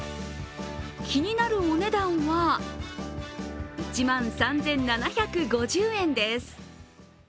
気になるお値段は、１万３７５０円です。